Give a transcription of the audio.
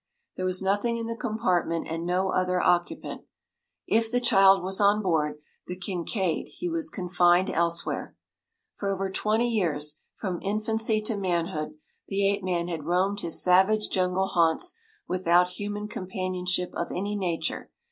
There was nothing in the compartment, and no other occupant. If the child was on board the Kincaid he was confined elsewhere. For over twenty years, from infancy to manhood, the ape man had roamed his savage jungle haunts without human companionship of any nature.